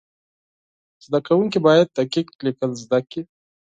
زده کوونکي باید دقیق لیکل زده کړي.